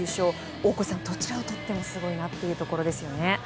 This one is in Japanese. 大越さん、どちらをとってもすごいなってところですよね。